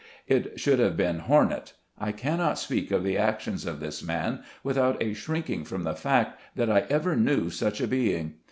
It should have been "Hornet" I cannot speak of the actions of this man, without a shrinking from the fact that I ever knew such a being.